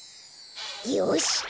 よし！